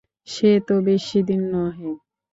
সে তো বেশিদিন নহে।